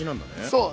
そう。